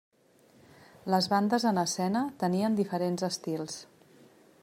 Les bandes en escena tenien diferents estils.